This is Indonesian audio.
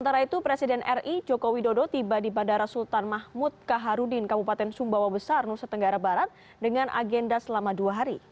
sementara itu presiden ri joko widodo tiba di bandara sultan mahmud kaharudin kabupaten sumbawa besar nusa tenggara barat dengan agenda selama dua hari